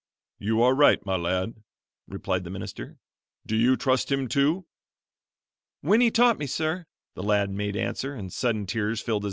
"You are right, my lad," replied the minister. "Do you trust Him, too?" "Winnie taught me, sir," the lad made answer, and sudden tears filled his eyes.